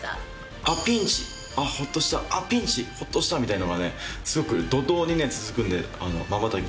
あっピンチあっホッとしたピンチホッとしたみたいなのがすごく怒濤に続くんでまばたき